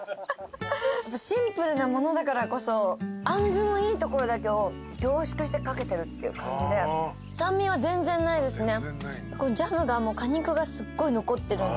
シンプルなものだからこそあんずのいいところだけを凝縮して掛けてるっていう感じで酸味は全然ないですね。